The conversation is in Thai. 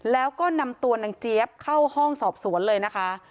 แล้วก็นำตัวนางเจี๊ยบเข้าห้องสอบสวนเลยนะคะ